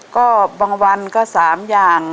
ก็บางวันก็๓อย่าง